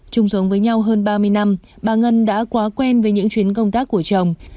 chung giống với nhau hơn ba mươi năm bà ngân đã quá quen với những chuyến công tác của chồng